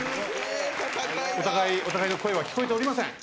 お互いの声は聞こえておりません。